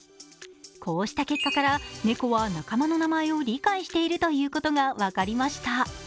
こうした結果から、猫は仲間の名前を理解しているということが分かりました。